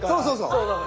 そうそうそう。